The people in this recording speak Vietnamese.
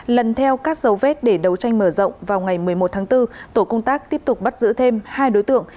lần theo các dấu vết để đấu tranh mở rộng vào ngày một mươi một tháng bốn tổ công tác tiếp tục bắt giữ thêm hai đối tượng